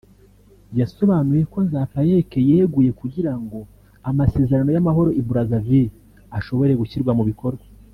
yasobanuye ko Nzapayeke yeguye kugirango amasezerano y’amahoro y’i Brazzaville ashobore gushyirwa mu bikorwa